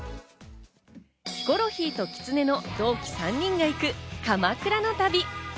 ヒコロヒーときつねの同期３人が行く、鎌倉の旅。